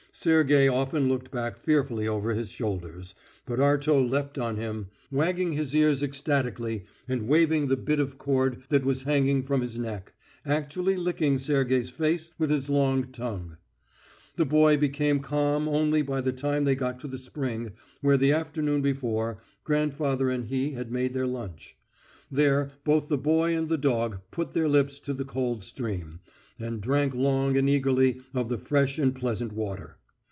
Sergey often looked back fearfully over his shoulders, but Arto leapt on him, wagging his ears ecstatically, and waving the bit of cord that was hanging from his neck, actually licking Sergey's face with his long tongue. The boy became calm only by the time they got to the spring where the afternoon before grandfather and he had made their lunch. There both the boy and the dog put their lips to the cold stream, and drank long and eagerly of the fresh and pleasant water.